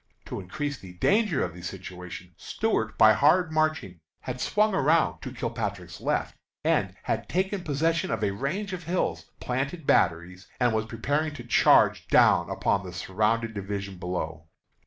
To increase the danger of the situation, Stuart, by hard marching, had swung around to Kilpatrick's left, and had taken possession of a range of hills, planted batteries, and was preparing to charge down upon the surrounded division below.